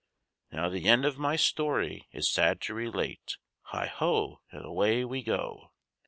Now the end of my story is sad to relate Heigh ho! and away we go!